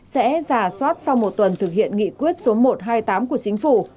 sẽ giả soát sau một tuần thực hiện nghị quyết số một trăm hai mươi tám của chính phủ